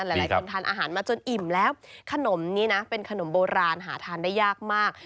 หลายคนทานอาหารมาจนอิ่มแล้วขนมนี้นะเป็นขนมโบราณหาทานได้ยากมาก